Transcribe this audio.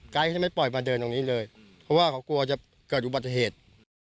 จะไม่ปล่อยมาเดินตรงนี้เลยเพราะว่าเขากลัวจะเกิดอุบัติเหตุ